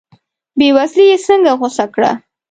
بې وزلي یې څنګه غوڅه کړه.